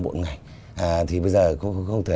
bộ bốn ngày thì bây giờ không thể